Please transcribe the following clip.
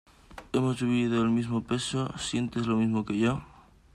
hemos vivido el mismo peso, sientes lo mismo que yo.